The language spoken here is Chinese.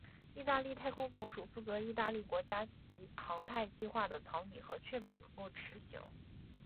义大利太空总署负责义大利国家级航太计划的草拟和确保能够执行。